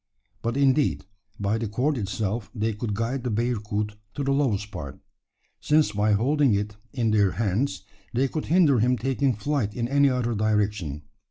But, indeed, by the cord itself they could guide the bearcoot to the lowest part since by holding it in their hands, they could hinder him taking flight in any other direction.